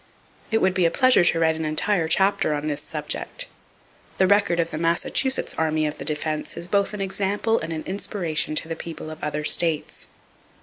It would be a pleasure to write an entire chapter on this subject. The record of the Massachusetts Army of the Defense is both an example and an inspiration to the people of other states.